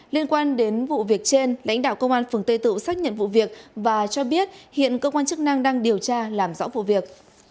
liên quan đến vụ việc trên lãnh đạo công an phường tây tự xác nhận vụ việc và cho biết hiện cơ quan chức năng đang điều tra làm rõ vụ việc